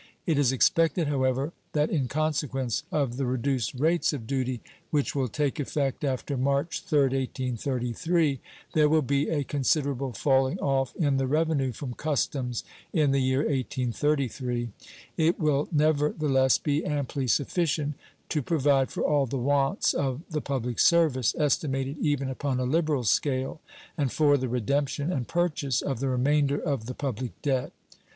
It is expected, however, that in consequence of the reduced rates of duty which will take effect after March 3d, 1833 there will be a considerable falling off in the revenue from customs in the year 1833. It will never the less be amply sufficient to provide for all the wants of the public service, estimated even upon a liberal scale, and for the redemption and purchase of the remainder of the public debt.